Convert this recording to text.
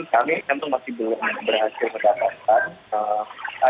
kami tentu masih belum berhasil mendapatkan